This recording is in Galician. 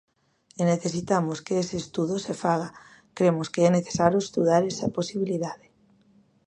E necesitamos que ese estudo se faga, cremos que é necesario estudar esa posibilidade.